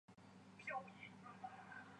详情可参考职业训练局网站。